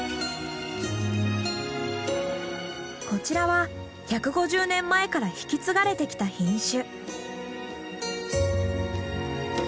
こちらは１５０年前から引き継がれてきた品種。